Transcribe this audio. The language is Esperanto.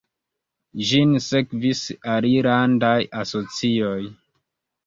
Ĝin sekvis alilandaj asocioj.